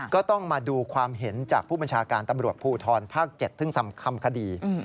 ก็ต้องมาดูความเห็นจากผู้บัญชาการตำรวจภูทรภาค๗ซึ่งคำคดี